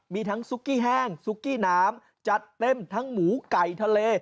มีทั้งซุกกี้แห้งซุกกี้น้ำจัดเต็มทั้งหมูไก่ทะเล